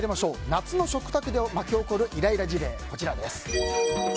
夏の食卓で巻き起こるイライラ事例です。